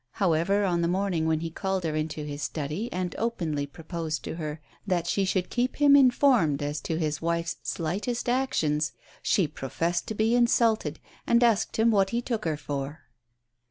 However, on the morning when he called her into his study and openly proposed to her that she should keep him informed as to his wife's slightest actions, she professed to be insulted, and asked him what he took her for.